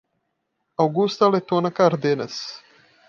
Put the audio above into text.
Augusta Letona Cardenas